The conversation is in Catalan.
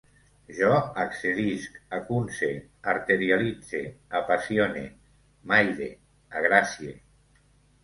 Jo accedisc, acunce, arterialitze, apassione, m'aïre, agracie